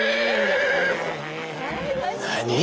何？